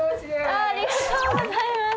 ありがとうございます。